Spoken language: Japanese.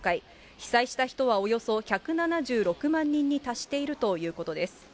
被災した人はおよそ１７６万人に達しているということです。